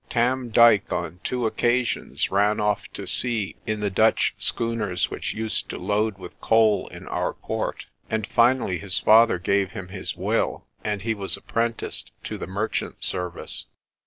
Tam Dyke on two occasions ran off to sea in the Dutch schooners which used to load with coal in our port; and finally his father gave him his will, and he was apprenticed to the merchant service.